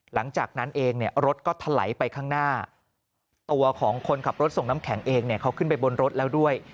หลังจากนั้นเองเนี่ยรถก็ถลายไปข้างหน้าตัวของคนขับรถส่งน้ำแข็งเองเนี่ยเขาขึ้นไปบนรถแล้วด้วย